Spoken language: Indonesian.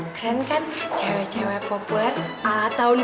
keren kan cewek cewek populer ala tahun dua ribu lima